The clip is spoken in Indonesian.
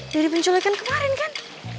dari penculikan kemarin kan